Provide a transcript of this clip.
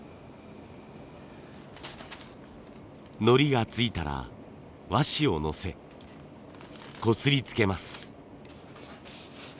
のりがついたら和紙をのせこすりつけます。